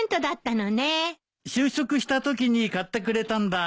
就職したときに買ってくれたんだ。